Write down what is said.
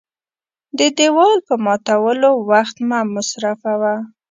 د دېوال په ماتولو وخت مه مصرفوه .